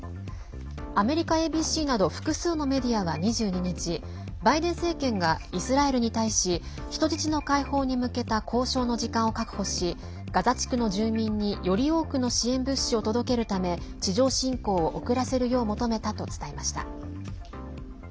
アメリカＡＢＣなど複数のメディアは２２日バイデン政権がイスラエルに対し人質の解放に向けた交渉の時間を確保しガザ地区の住民により多くの支援物資を届けるため地上侵攻を遅らせるよう求めたと伝えました。